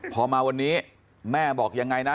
พอมาวันนี้แม่บอกยังไงนะ